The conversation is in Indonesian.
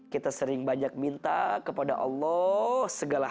kita sering banyak minta kepada allah segala